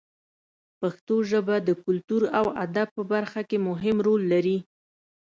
پښتو ژبه د کلتور او ادب په برخه کې مهم رول لري.